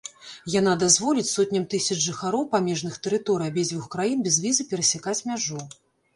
Яна дазволіць сотням тысяч жыхароў памежных тэрыторый абедзвюх краін без візы перасякаць мяжу.